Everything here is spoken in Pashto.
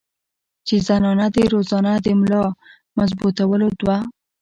چې زنانه دې روزانه د ملا مضبوطولو دوه